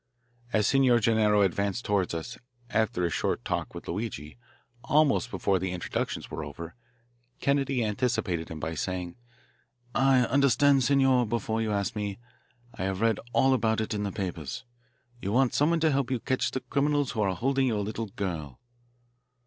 As Signor Gennaro advanced toward us, after his short talk with Luigi, almost before the introductions were over, Kennedy anticipated him by saying: "I understand, Signor, before you ask me. I have read all about it in the papers. You want someone to help you catch the criminals who are holding your little girl."